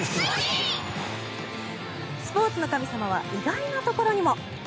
スポーツの神様は意外なところにも。